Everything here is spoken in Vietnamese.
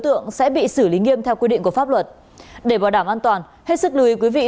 tượng sẽ bị xử lý nghiêm theo quy định của pháp luật để bảo đảm an toàn hết sức lưu ý quý vị